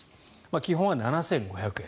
基本は７５００円。